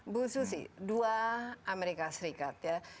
bu susi dua amerika serikat ya